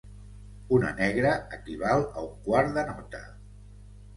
Una negra equival a un quart de nota